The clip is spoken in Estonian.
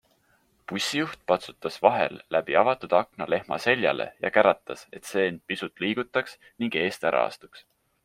Bussijuht patsutas vahel läbi avatud akna lehma seljale ja käratas, et see end pisut liigutaks ning eest ära astuks.